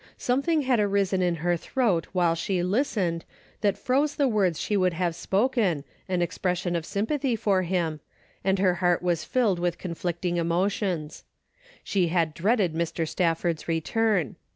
Something had arisen in her throat while she listened, that froze the words she would have spoken, an expression of sympathy for him, and her heart was filled with conflicting emotions. She had dreaded Mr. Stafford's return.